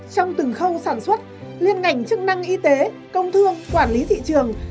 trong từng khâu sản xuất liên ngành chức năng y tế công thương quản lý thị trường